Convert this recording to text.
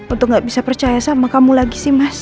untuk gak bisa percaya sama kamu lagi sih mas